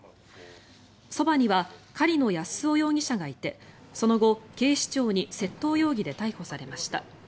そばには狩野安雄容疑者がいてその後、警視庁に窃盗容疑で逮捕されました。